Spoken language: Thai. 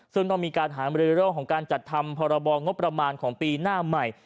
ซึ่งต้องมีการหามรือเรื่องของการจัดทำพรบงบประมาณของปีหน้าใหม่